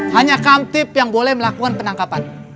hanya kamtip yang boleh melakukan penangkapan